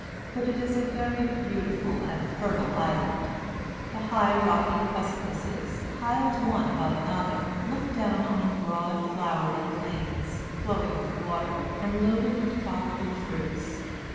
But it is a very beautiful and fertile island. The high, rocky precipices, piled one above another, look down on broad flowery plains, flowing with water, and loaded with tropical fruits.